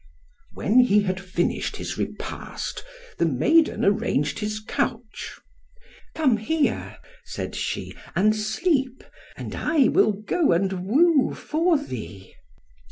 When he had finished his repast, the maiden arranged his couch. "Come here," said she, "and sleep, and I will go and woo for thee."